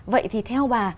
vậy thì theo bà